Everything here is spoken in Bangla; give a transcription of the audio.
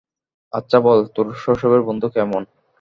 আচ্ছা বল, তোর শৈশবের বন্ধু কেমন?